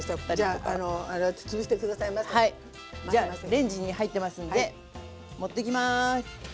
レンジに入ってますんで持ってきます。